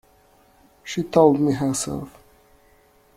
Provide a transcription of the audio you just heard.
She told me herself.